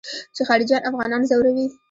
چې خارجيان افغانان ځوروي.